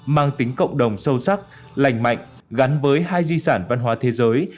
mang tính cộng đồng sâu sắc lành mạnh gắn với hai di sản văn hóa thế giới